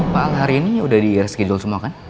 pak al hari ini udah di reschedule semua kan